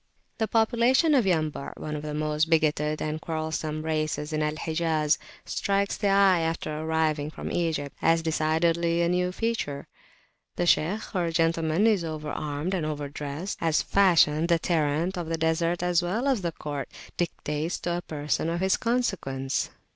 The population of Yambu' one of the most bigoted and quarrelsome races in Al Hijaz strikes the eye after arriving from Egypt, as decidedly a new feature. The Shaykh or gentleman is over armed and over dressed, as Fashion, the Tyrant of the Desert as well as of the Court, dictates to a person of his consequence.